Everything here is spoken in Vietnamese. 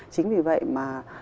chính vì vậy mà